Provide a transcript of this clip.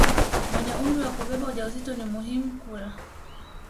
mwenye umri wa kubeba ujauzito ni muhimu kula